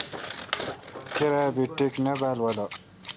کیرا بی ٹک نہ بال والہ۔